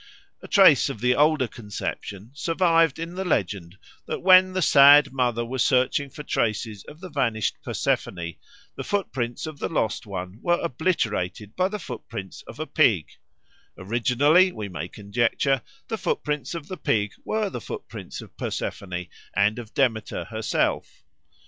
A trace of the older conception survived in the legend that when the sad mother was searching for traces of the vanished Persephone, the footprints of the lost one were obliterated by the footprints of a pig; originally, we may conjecture, the footprints of the pig were the footprints of Persephone and of Demeter herself.